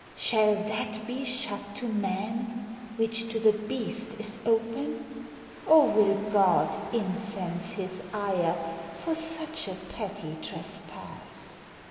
Shall that be shut to man, which to the beast Is open? or will God incense his ire For such a petty trespass?